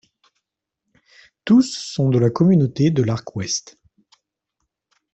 Tous sont de la communauté de l'Arcouest.